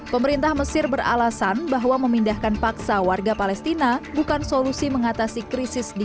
pemerintah mesir beralasan bahwa memindahkan paksa warga palestina bukan solusi mengatasi krisis di